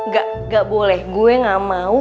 gak boleh gue gak mau